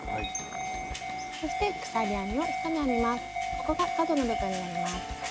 ここが角の部分になります。